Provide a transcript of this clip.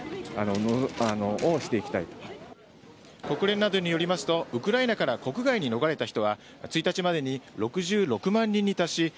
国連などによりますとウクライナから国外に逃れた人は１日までに６６万人に達し